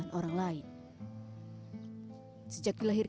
saya sejak lahir